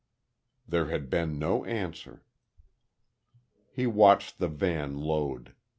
... There had been no answer.... He watched the van load.